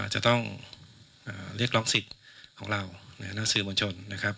จะต้องเรียกรองสิทธิ์ของเรานักศึมวลชน